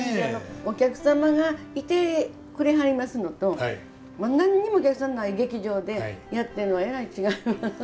お客様がいてくれはりますのと何にもお客さんない劇場でやってんのはえらい違います。